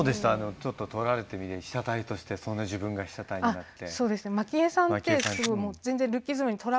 ちょっと撮られてみて被写体としてそんな自分が被写体になって。